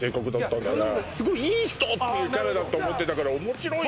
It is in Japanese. いやそんなことないすごいいい人っていうキャラだと思ってたから面白いね・